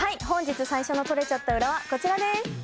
本日最初の撮れちゃったウラはこちらです！